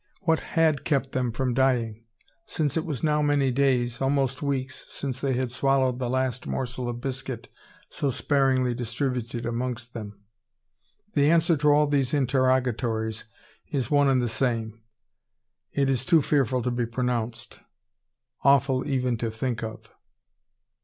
What had kept them from dying: since it was now many days, almost weeks, since they had swallowed the last morsel of biscuit so sparingly distributed amongst them? The answer to all these interrogatories is one and the some. It is too fearful to be pronounced, awful even to think of!